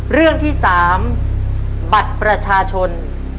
เรื่องที่๓บัตรประชาชน